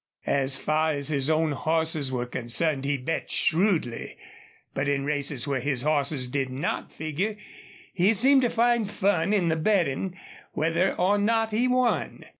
As far as his own horses were concerned he bet shrewdly, but in races where his horses did not figure he seemed to find fun in the betting, whether or not he won.